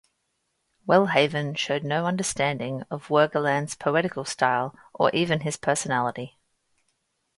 Welhaven showed no understanding of Wergeland's poetical style, or even of his personality.